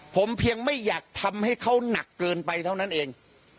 ผมเพียงไม่อยากทำให้เขาหนักเกินไปเท่านั้นเอง